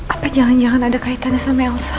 apa jangan jangan ada kaitannya sama elsa